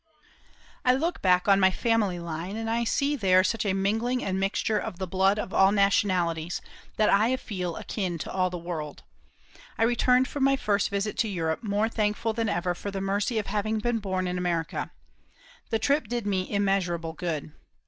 I look back on my family line, and I see there such a mingling and mixture of the blood of all nationalities that I feel akin to all the world. I returned from my first visit to Europe more thankful than ever for the mercy of having been born in America. The trip did me immeasurable good.